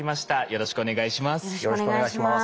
よろしくお願いします。